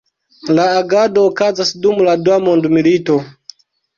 La agado okazas dum la Dua Mondmilito.